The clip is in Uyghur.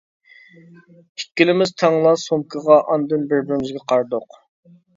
ئىككىلىمىز تەڭلا سومكىغا ئاندىن بىر-بىرىمىزگە قارىدۇق.